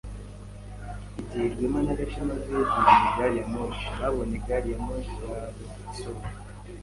Igihe Rwema na Gashema begereye gariyamoshi, babonye gari ya moshi yabo isohoka.